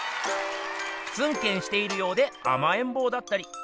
ツンケンしているようであまえんぼうだったり。